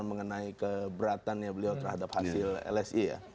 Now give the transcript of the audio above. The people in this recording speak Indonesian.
mengenai keberatan ya beliau terhadap hasil lsi ya